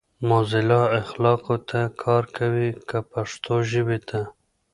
موزیلا اخلاقو ته کار کوي کۀ پښتو ژبې ته؟